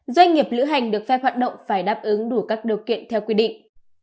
doanh nghiệp lữ hành được phép hoạt động phải đáp ứng đủ các điều kiện theo quy định